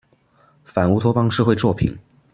反烏托邦社會作品